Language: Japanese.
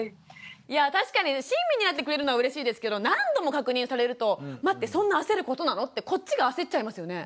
いや確かに親身になってくれるのはうれしいですけど何度も確認されると待ってそんな焦ることなのってこっちが焦っちゃいますよね。